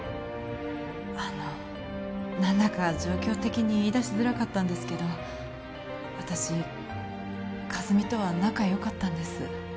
あの何だか状況的に言いだしづらかったんですけど私和美とは仲よかったんです